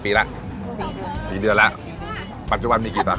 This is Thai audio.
คนที่มาทานอย่างเงี้ยควรจะมาทานแบบคนเดียวนะครับ